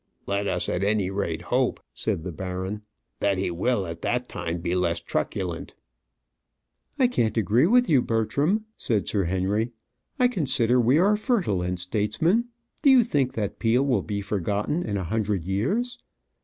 "Let us at any rate hope," said the baron, "that he will at that time be less truculent." "I can't agree with you, Bertram," said Sir Henry. "I consider we are fertile in statesmen. Do you think that Peel will be forgotten in a hundred years?"